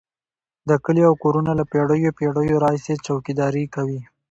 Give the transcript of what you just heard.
دا کلي او کورونه له پېړیو پېړیو راهیسې څوکیداري کوي.